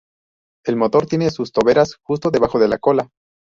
El motor tiene sus toberas justo debajo de la cola.